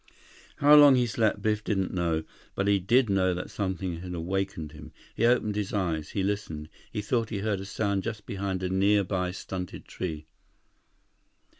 How long he slept, Biff didn't know. But he did know that something had awakened him. He opened his eyes. He listened. He thought he heard a sound just behind a nearby stunted tree.